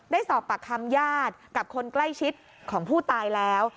ได้สอบปากคำญาติกับคนใกล้ชิดของผู้ตายแล้ว